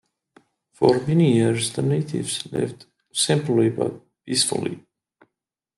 For many years, the natives lived simply but peacefully.